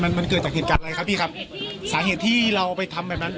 มันมันเกิดจากเหตุการณ์อะไรครับพี่ครับสาเหตุที่เราไปทำแบบนั้น